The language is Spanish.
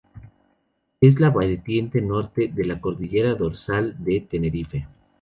Es la vertiente norte de la Cordillera Dorsal de Tenerife.